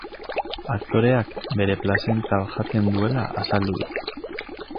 Aktoreak bere plazenta jaten duela azaldu du.